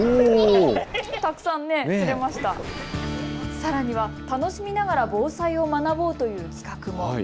さらには楽しみながら防災を学ぼうという企画も。